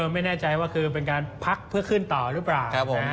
ไม่แน่ใจว่าคือเป็นการพักเพื่อขึ้นต่อหรือเปล่า